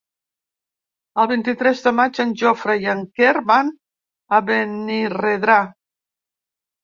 El vint-i-tres de maig en Jofre i en Quer van a Benirredrà.